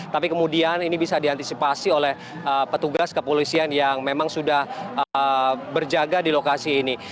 tapi kemudian ini bisa diantisipasi oleh petugas kepolisian yang memang sudah berjaga di lokasi ini